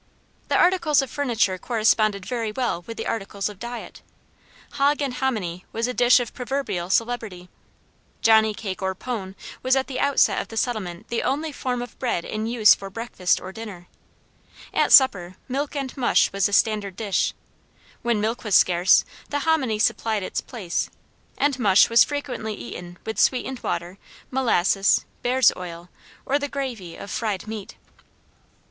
The articles of furniture corresponded very well with the articles of diet. "Hog and hominy" was a dish of proverbial celebrity; Johnny cake or pone was at the outset of the settlement the only form of bread in use for breakfast or dinner; at supper, milk and mush was the standard dish; when milk was scarce the hominy supplied its place, and mush was frequently eaten with sweetened water, molasses, bear's oil, or the gravy of fried meat.